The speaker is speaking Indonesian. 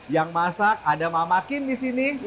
yang masak ada mama kim disini